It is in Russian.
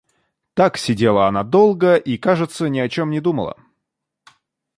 Так сидела она долго и, кажется, ни о чем не думала.